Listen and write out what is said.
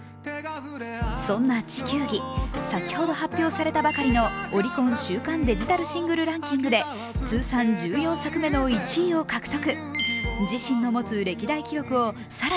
そんな「地球儀」、先ほど発表されたばかりのオリコン週間デジタルシングルランキングで通算１４作目の１位を獲得。